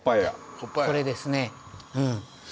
これですねうん。